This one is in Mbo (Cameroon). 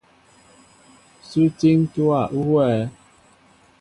Sú étííŋ ntówa huwɛέ ?